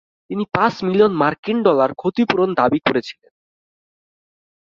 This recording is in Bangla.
তিনি পাঁচ মিলিয়ন মার্কিন ডলার ক্ষতিপূরণ দাবী করেছিলেন।